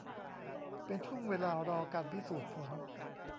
เป็นช่วงเวลารอการพิสูจน์ผล